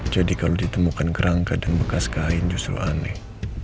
kalau ditemukan kerangka dan bekas kain justru aneh